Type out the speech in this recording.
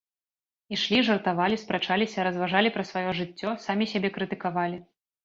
Ішлі, жартавалі, спрачаліся, разважалі пра сваё жыццё, самі сябе крытыкавалі.